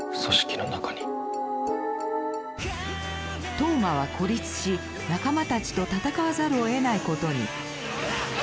飛羽真は孤立し仲間たちと戦わざるをえないことに。